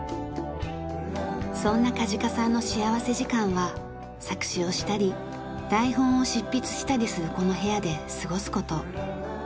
そんな梶賀さんの幸福時間は作詞をしたり台本を執筆したりするこの部屋で過ごす事。